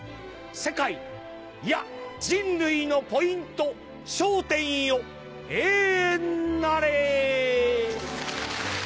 世界いや人類のポイント『笑点』よ永遠なれ。